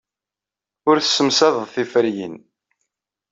Ur tessemsadeḍ tiferyin.